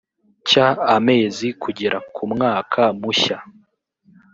cy amezi kugera ku mwaka mushya